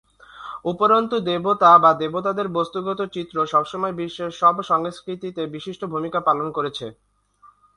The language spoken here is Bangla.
উপরন্তু, দেবতা বা দেবতাদের বস্তুগত চিত্র সবসময় বিশ্বের সব সংস্কৃতিতে বিশিষ্ট ভূমিকা পালন করেছে।